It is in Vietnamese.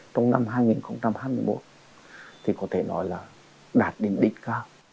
trong năm hai nghìn hai mươi một thì có thể nói là đạt đến đích cao